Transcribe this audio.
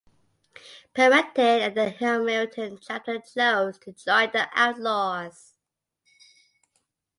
Parente and the Hamilton chapter chose to join the Outlaws.